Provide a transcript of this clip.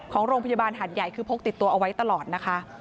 ของโรงพยาบาลหาดใหญ่คือพกติดตัวเอาไว้ตลอดนะคะ